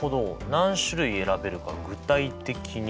何種類選べるか具体的にね。